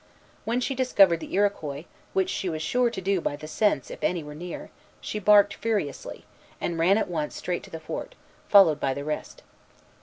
When she discovered the Iroquois, which she was sure to do by the scent, if any were near, she barked furiously, and ran at once straight to the fort, followed by the rest.